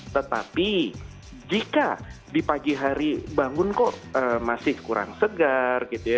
tetapi jika di pagi hari bangun kok masih kurang segar gitu ya